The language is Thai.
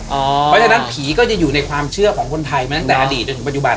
เพราะฉะนั้นผีก็จะอยู่ในความเชื่อของคนไทยมาตั้งแต่อดีตจนถึงปัจจุบัน